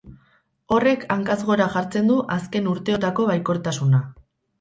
Horrek hankaz gora jartzen du azken urteotako baikortasuna.